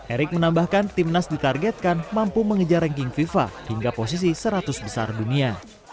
erik menambahkan tim nas ditargetkan mampu mengejar ranking fifa hingga posisi seratus besar dunia